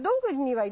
はい。